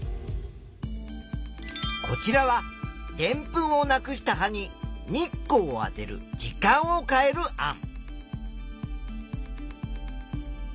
こちらはでんぷんをなくした葉に日光をあてる時間を変える案。